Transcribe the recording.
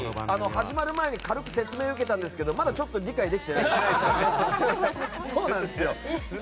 始まる前に軽く説明受けたんですけどまだちょっと理解できていないんですよね。